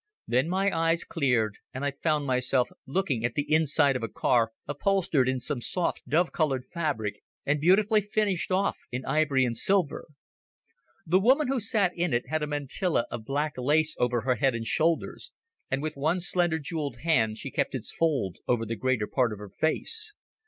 Then my eyes cleared and I found myself looking at the inside of a car upholstered in some soft dove coloured fabric, and beautifully finished off in ivory and silver. The woman who sat in it had a mantilla of black lace over her head and shoulders, and with one slender jewelled hand she kept its fold over the greater part of her face.